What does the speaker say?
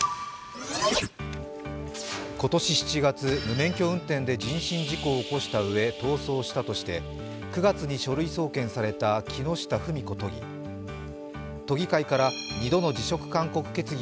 今年７月、無免許運転で人身事故を起こしたうえ逃走したとして９月に書類送検された木下富美子都議。